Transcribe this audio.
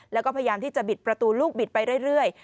แล้วก็พยายามที่จะบิดประตูลูกบิดไปเรื่อย